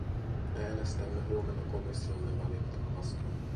Äänestämme huomenna komissionne valintaa vastaan.